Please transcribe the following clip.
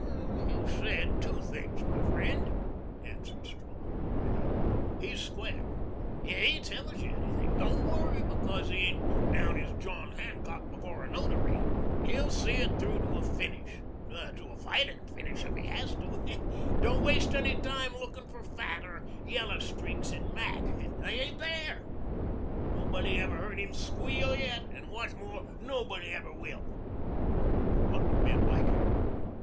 "You've said two things, my friend," answered Strong dryly. "He's square. If he tells you anything, don't worry because he ain't put down his John Hancock before a notary. He'll see it through to a finish to a fighting finish if he has to. Don't waste any time looking for fat or yellow streaks in Mac. They ain't there. Nobody ever heard him squeal yet and what's more nobody ever will." "No wonder men like him."